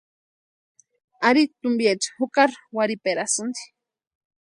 Ari tumpiecha jukari warhiperasïnti.